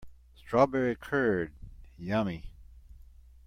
Strawberry curd, yummy!